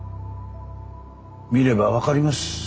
見れば分かります。